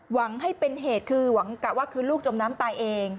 หวังให้เป็นเหตุคือหวังกะว่าคือลูกจมน้ำตายเอง